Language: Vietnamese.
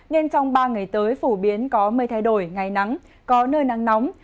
nên trong ba ngày tới phổ biến có mây thay đổi ngày nắng có nơi nắng nóng